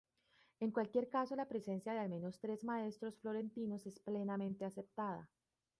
En cualquier caso, la presencia de al menos tres maestros florentinos es plenamente aceptada.